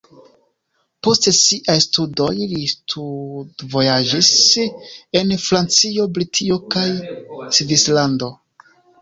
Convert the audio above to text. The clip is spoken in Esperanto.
Post siaj studoj li studvojaĝis en Francio, Britio kaj Svislando.